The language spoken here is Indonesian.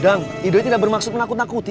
dang ide tidak bermaksud nakut nakuti